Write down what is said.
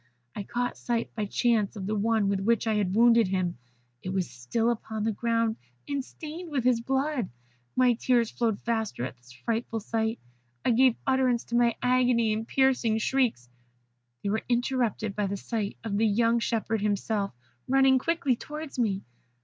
I caught sight by chance of the one with which I had wounded him. It was still upon the ground, and stained with his blood. My tears flowed faster at this frightful sight. I gave utterance to my agony in piercing shrieks. They were interrupted by the sight of the young shepherd himself, running quickly towards me.